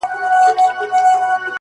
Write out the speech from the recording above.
وای هسې نه چي تا له خوبه و نه باسم~